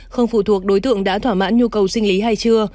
không phụ thuộc đối tượng đã thỏa mãn nhu cầu sinh lý hay chưa